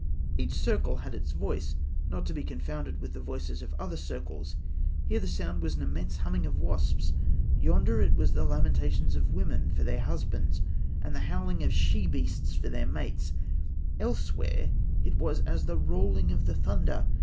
Each circle had its voice, not to be confounded with the voices of other circles. Here the sound was as an immense humming of wasps; yonder it was as the lamentations of women for their husbands, and the howling of she beasts for their mates; elsewhere it was as the rolling of the thunder.